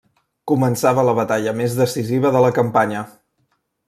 Començava la batalla més decisiva de la campanya.